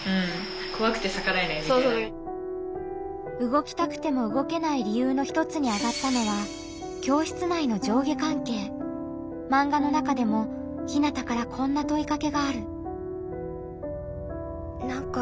動きたくても動けない理由の一つにあがったのはマンガの中でもひなたからこんなといかけがある。